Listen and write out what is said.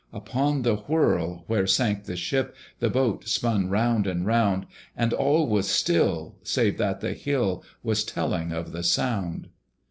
Upon the whirl, where sank the ship, The boat spun round and round; And all was still, save that the hill Was telling of the sound.